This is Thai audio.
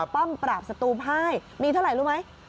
ป้อมปราบสตูไพ่มีเท่าไหร่รู้ไหม